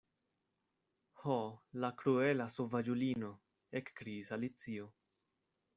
"Ho, la kruela sovaĝulino," ekkriis Alicio.